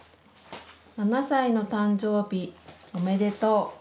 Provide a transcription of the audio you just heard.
７歳の誕生日おめでとう。